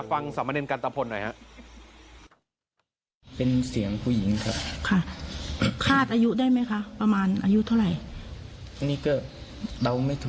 ฟังสำเนินกันตามผลหน่อยฮะ